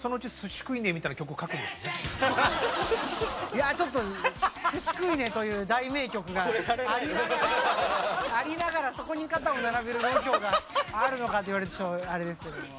いやちょっと「スシ食いねェ」という大名曲がありながらそこに肩を並べる度胸があるのかと言われるとあれですけれども。